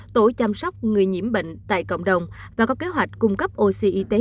tổ chăm sóc người nhiễm bệnh tại cộng đồng và có kế hoạch cung cấp oxy y tế